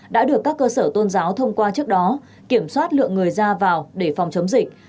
đã được các cơ sở tôn giáo thông qua trước đó kiểm soát lượng người ra vào để phòng chống dịch